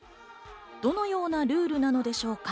どのようなルールなのでしょうか。